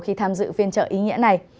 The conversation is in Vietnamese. khi tham dự phiên chợ ý nghĩa này